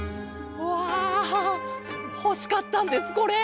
わあほしかったんですこれ！